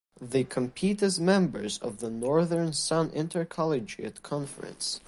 They compete as members of the Northern Sun Intercollegiate Conference.